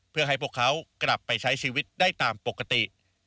เพื่อให้พวกเขากลับไปใช้ชีวิตได้ตามปกติ